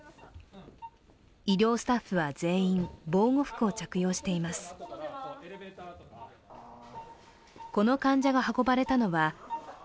医療スタッフは全員、防護服を着用しています。